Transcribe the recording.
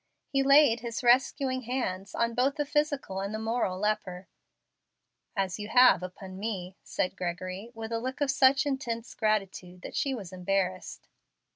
He laid His rescuing hands on both the physical and the moral leper " "As you have upon me," said Gregory, with a look of such intense gratitude that she was embarrassed.